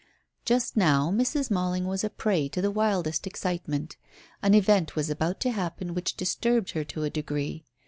Just now Mrs. Malling was a prey to the wildest excitement. An event was about to happen which disturbed her to a degree.